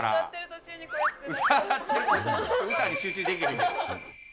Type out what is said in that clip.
歌に集中できひん。